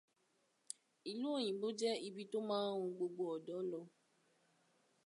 Ìlú òyìnbó jẹ ibi tó má ń wun gbogbo ọ̀dọ́ lọ.